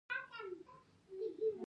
دا باید له بنسټیزو حقوقو څخه ساتنه وکړي.